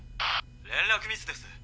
「連絡ミスです。